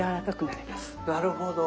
なるほど。